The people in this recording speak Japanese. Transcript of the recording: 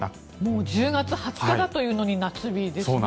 もう１０月２０日だというのに夏日ですね。